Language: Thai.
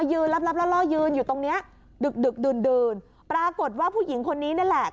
ตึกดื่นปรากฏว่าผู้หญิงคนนี้นั่นแหละ